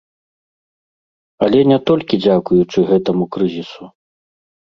Але не толькі дзякуючы гэтаму крызісу.